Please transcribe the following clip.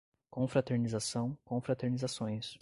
Confraternização, confraternizações